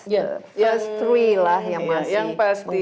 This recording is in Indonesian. the first three lah yang masih menggantung